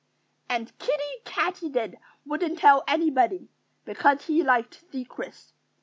And Kiddie Katydid wouldn't tell anybody, because he liked secrets.